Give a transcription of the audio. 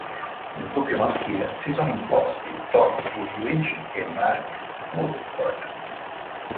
Nel doppio maschile si sono imposti Todd Woodbridge e Mark Woodforde.